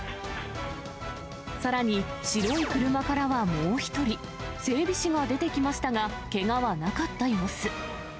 さらに、白い車からは、もう１人、整備士が出てきましたが、けがはなかった様子。